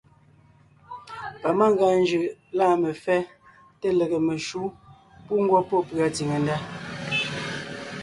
Pamangʉa njʉʼ lâ mefɛ́ té lege meshǔ pú ngwɔ́ pɔ́ pʉ̀a tsìŋe ndá.